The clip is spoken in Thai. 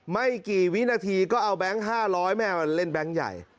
ไม่กี่วินาทีก็เอาแบงค์๕๐๐แม่มันเล่นแบงค์ใหญ่